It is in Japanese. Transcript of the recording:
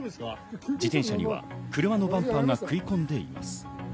自転車には車のバンパーがくい込んでいます。